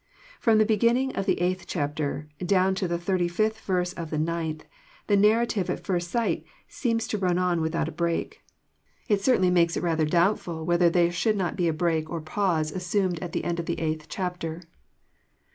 From the beginning of the eighth chapter, down to the thirty fifth verse of the ninth, the narrative at first sight seems to run on without a break. It certainly makes it rather doubtfal whether there should not be a break or pause assumed at the end of the eighth chapter.